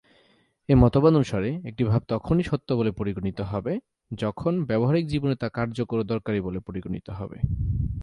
এ-মতবাদ অনুসারে, একটি ভাব তখনই সত্য বলে পরিগণিত হবে যখন ব্যবহারিক জীবনে তা কার্যকর ও দরকারি বলে পরিগণিত হবে।